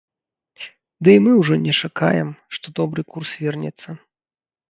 Ды і мы ўжо не чакаем, што добры курс вернецца.